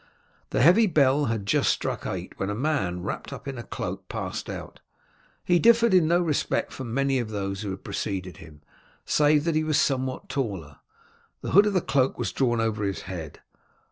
The heavy bell had just struck eight, when a man wrapt up in a cloak passed out. He differed in no respect from many of those who had preceded him, save that he was somewhat taller. The hood of the cloak was drawn over his head.